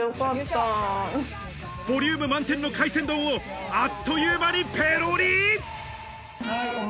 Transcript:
ボリューム満点の海鮮丼をあっという間にペロリ。